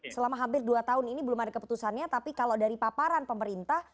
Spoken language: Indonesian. selama hampir dua tahun ini belum ada keputusannya tapi kalau dari paparan pemerintah